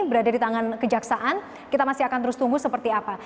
berada di tangan kejaksaan kita masih akan terus tunggu seperti apa